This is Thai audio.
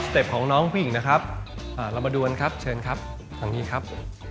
ของน้องผู้หญิงนะครับเรามาดูกันครับเชิญครับทางนี้ครับ